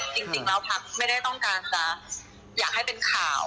จริงแล้วพักไม่ได้ต้องการจะอยากให้เป็นข่าว